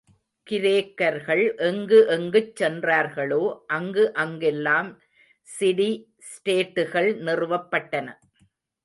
கிரேக்கர்கள் எங்கு எங்குச் சென்றார்களோ, அங்கு அங்கெல்லாம் சிடி ஸ்டேட்டுகள், நிறுவப்பட்டன.